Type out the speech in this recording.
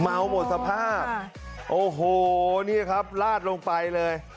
เมาหมดสภาพโอ้โหนี่ครับลาดลงไปเลย